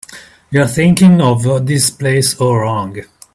You're thinking of this place all wrong.